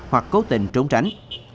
hoặc cố tình trốn tránh